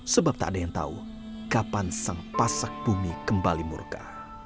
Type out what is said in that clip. sebab tak ada yang tahu kapan sang pasak bumi kembali murka